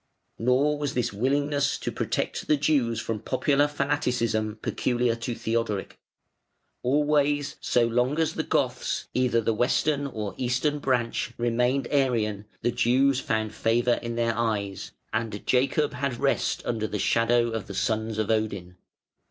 Nor was this willingness to protect the Jews from popular fanaticism peculiar to Theodoric. Always, so long as the Goths, either the Western or Eastern branch, remained Arian, the Jews found favour in their eyes, and Jacob had rest under the shadow of the sons of Odin.